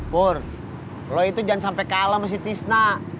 pur lo itu jangan sampe kalem si tisna